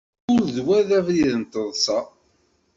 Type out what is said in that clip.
Ur d wa i d abrid n taḍsa.